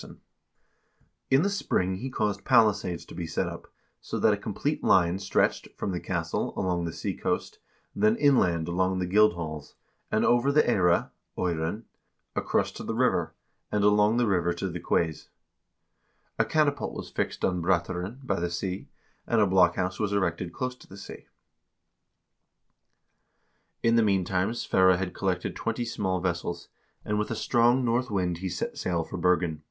384 HISTORY OF THE NORWEGIAN PEOPLE " In the spring he caused palisades to be set up, so that a complete line stretched (from the castle) along the sea coast, then inland along the guild halls, and over the Eyra (0ren) across to the river, and along the river to the quays. A catapult was fixed on Brat0ren by the sea, and a blockhouse was erected close to the sea." 1 In the meantime Sverre had collected twenty small vessels, and with a strong north wind he set sail for Bergen.